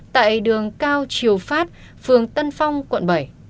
tại đường cao chiều phát phường tân phong quận bảy